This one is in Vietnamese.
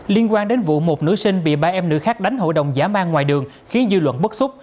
liên quan đến vụ một nữ sinh bị ba em nữ khác đánh hội đồng giả mang ngoài đường khiến dư luận bức xúc